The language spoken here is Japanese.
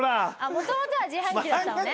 もともとは自販機だったのね。